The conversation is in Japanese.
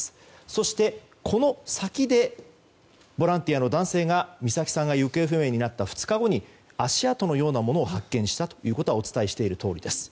そして、この先でボランティアの男性が美咲さんが行方不明になった２日後に足跡のようなものを発見したということはお伝えしたとおりです。